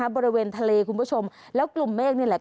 บริเวณทะเลคุณผู้ชมแล้วกลุ่มเมฆนี่แหละ